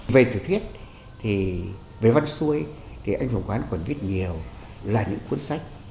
về tiểu thuyết về văn xuôi anh phùng quán còn viết nhiều là những cuốn sách